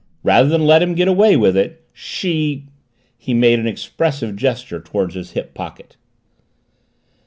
Rather than let him get away with it, she " He made an expressive gesture toward his hip pocket.